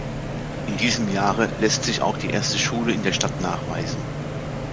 In diesem Jahre lässt sich auch die erste Schule in der Stadt nachweisen.